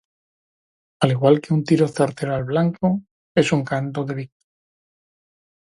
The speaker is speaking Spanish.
Al igual que un tiro certero al blanco, es un canto de victoria.